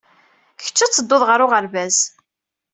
Kečč ad teddud ɣer uɣerbaz.